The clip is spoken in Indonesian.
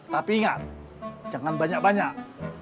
tapi ingat jangan banyak banyak